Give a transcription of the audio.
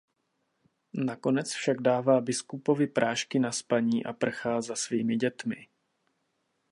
Nakonec však dává biskupovi prášky na spaní a prchá za svými dětmi.